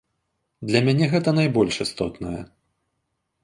Для мяне гэта найбольш істотнае.